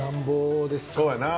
そうやな。